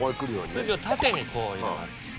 スジを縦にこう入れます。